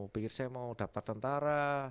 pikir saya mau daftar tentara